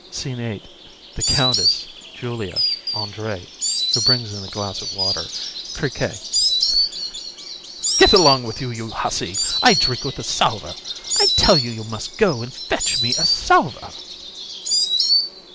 SCENE VIII. THE COUNTESS, JULIA, ANDRÉE (who brings a glass of water), CRIQUET. COUN. (to ANDRÉE). Get along with you, you hussy. I drink with a salver. I tell you that you must go and fetch me a salver.